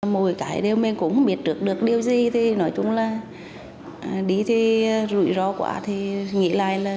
mỗi cái đều mình cũng biết trước được điều gì thì nói chung là đi thì rủi ro quá thì nghĩ lại là